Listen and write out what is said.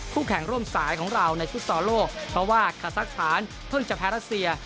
เพราะว่าคศักดิ์ศาลเพิ่งจะแพ้รัสเซีย